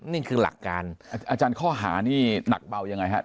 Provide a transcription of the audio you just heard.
นี่คือหลักการอาจารย์ข้อหานี่หนักเบายังไงครับ